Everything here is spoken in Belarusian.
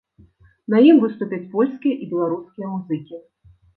На ім выступяць польскія і беларускія музыкі.